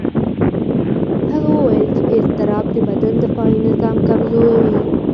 هغه وویل چې اضطراب د بدن دفاعي نظام کمزوي.